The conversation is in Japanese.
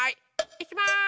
いきます。